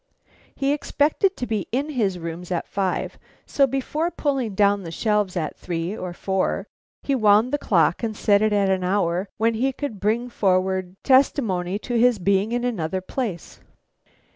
He expected to be in his rooms at five, so before pulling down the shelves at three or four, he wound the clock and set it at an hour when he could bring forward testimony to his being in another place.